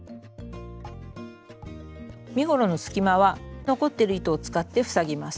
身ごろの隙間は残ってる糸を使って塞ぎます。